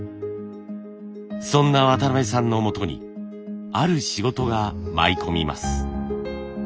そんな渡邊さんのもとにある仕事が舞い込みます。